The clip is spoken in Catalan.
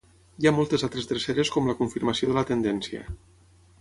Hi ha moltes altres dreceres com la confirmació de la tendència